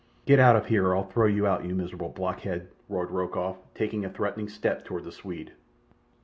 "Get out of here, or I'll throw you out, you miserable blockhead!" roared Rokoff, taking a threatening step toward the Swede.